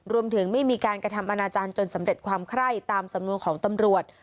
รวมถึงไม่มีการกระทำอนาจารย์จนสำเร็จความไคร้ตามสำนวนของตำรวจ